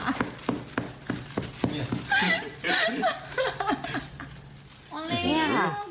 นี่ค่ะ